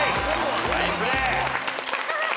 ファインプレー。